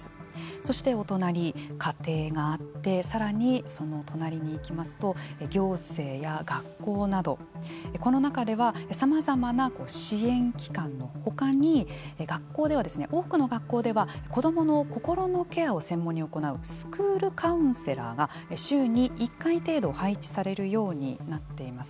そしてお隣家庭があってさらにその隣に行きますと行政や学校などこの中では、さまざまな支援機関の他に学校では多くの学校では子どもの心のケアを専門に行うスクールカウンセラーが週に１回程度配置されるようになっています。